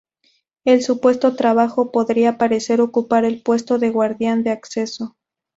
El supuesto trabajo podría parecer ocupar el puesto de guardián de acceso.